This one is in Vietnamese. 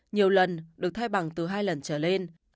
nhiều lần được thay bằng từ hai lần trở lên